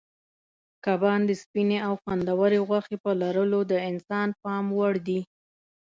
کبان د سپینې او خوندورې غوښې په لرلو د انسان پام وړ دي.